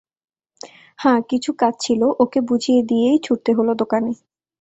হাঁ, কিছু কাজ ছিল, ওকে বুঝিয়ে দিয়েই ছুটতে হল দোকানে।